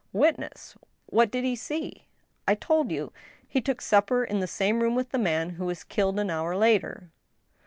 *• Witness ? What did he see ?"" I told you. He took supper in the same room with the man who was killed an hour later."